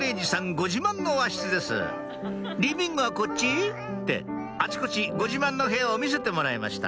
ご自慢の和室です「リビングはこっち？」ってあちこちご自慢の部屋を見せてもらいました